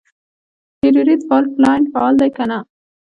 هریرود فالټ لاین فعال دی که نه؟